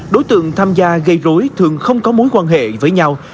đối tượng tham gia gây rối thường không có mối quan hệ với nhau